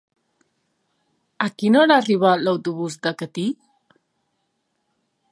A quina hora arriba l'autobús de Catí?